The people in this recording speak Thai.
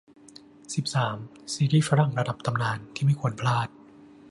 สิบสาม ซีรีส์ฝรั่งระดับตำนานที่ไม่ควรพลาด